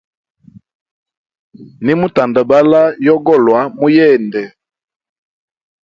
Nimu tandabala yogolwa mu yende.